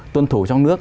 tuân thủ trong nước